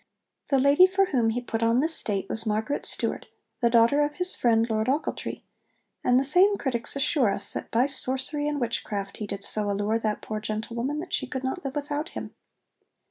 The lady for whom he put on this state was Margaret Stewart, the daughter of his friend Lord Ochiltree, and the same critics assure us that 'by sorcery and witchcraft he did so allure that poor gentlewoman, that she could not live without him.'